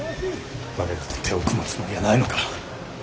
我らと手を組むつもりはないのか。